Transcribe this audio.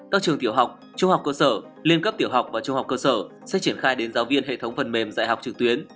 các trường tiểu học trung học cơ sở liên cấp tiểu học và trung học cơ sở sẽ triển khai đến giáo viên hệ thống phần mềm dạy học trực tuyến